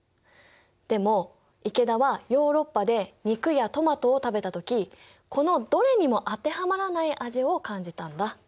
でも池田はヨーロッパで肉やトマトを食べた時このどれにも当てはまらない味を感じたんだ。